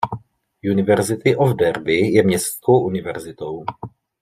University of Derby je městskou univerzitou.